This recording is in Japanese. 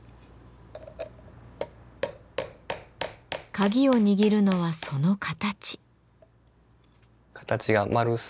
鍵を握るのはその形。